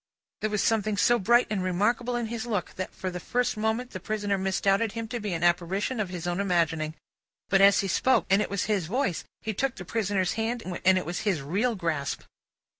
There was something so bright and remarkable in his look, that, for the first moment, the prisoner misdoubted him to be an apparition of his own imagining. But, he spoke, and it was his voice; he took the prisoner's hand, and it was his real grasp.